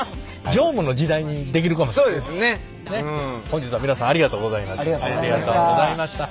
本日は皆さんありがとうございました。